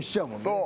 そう。